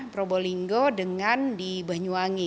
probolinggo dengan di banyuwangi